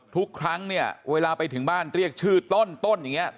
ทุกครั้งเนี่ยเวลาไปถึงบ้านเรียกชื่อต้นต้นอย่างนี้